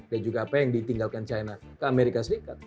dan juga apa yang ditinggalkan china ke amerika serikat